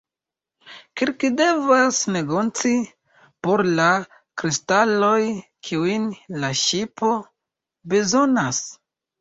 Kirk devas negoci por la kristaloj, kiujn la ŝipo bezonas.